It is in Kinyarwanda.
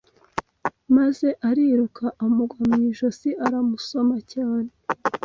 maze ariruka amugwa mu ijosi aramusoma cyane